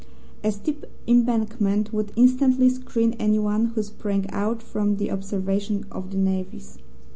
A steep embankment would instantly screen anyone who sprang out from the observation of the navvies.